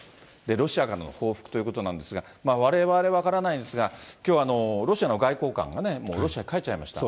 ロシアからの報復ということなんですが、われわれ分からないんですが、きょう、ロシアの外交官がもうロシア帰っちゃいました。